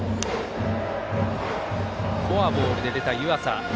フォアボール出てた湯淺。